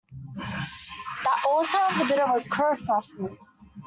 That all sounds a bit of a kerfuffle.